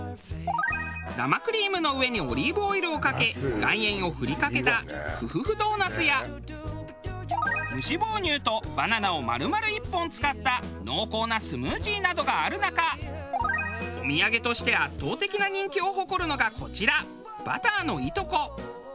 生クリームの上にオリーブオイルをかけ岩塩を振りかけたふふふドーナツや無脂肪乳とバナナを丸々１本使った濃厚なスムージーなどがある中お土産として圧倒的な人気を誇るのがこちらバターのいとこ。